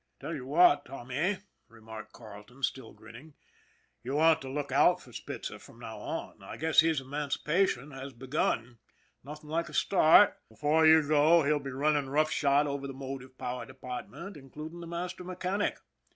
" Tell you what, Tommy," remarked Carleton, still grinning, " you want to look out for Spitzer from now on. I guess his emancipation has begun nothing like a start. Before you know it he'll be running rough shod over the motive power department, including the master mechanic."